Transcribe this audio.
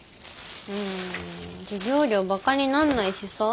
うん授業料バカになんないしさ。